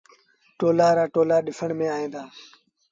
ٽولآن رآ ٽولآ ڏسڻ ميݩ ائيٚݩ دآ۔